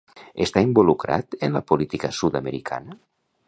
Està involucrat en la política sud-americana?